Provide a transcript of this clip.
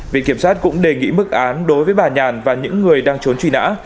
viện kiểm sát cũng đề nghị mức án đối với bà nhàn và những người đang trốn truy nã